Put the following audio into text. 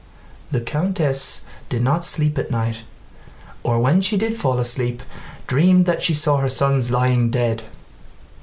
The countess did not sleep at night, or when she did fall asleep dreamed that she saw her sons lying dead.